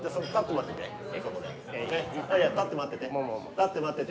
立って待ってて。